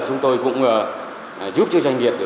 chúng tôi cũng giúp cho doanh nghiệp